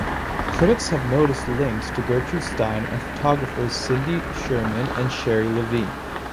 Critics have noticed links to Gertrude Stein and photographers Cindy Sherman and Sherrie Levine.